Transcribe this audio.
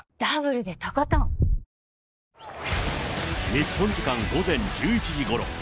日本時間午前１１時ごろ。